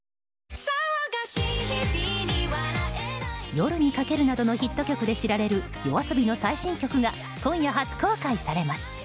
「夜に駆ける」などのヒット曲で知られるＹＯＡＳＯＢＩの最新曲が今夜初公開されます。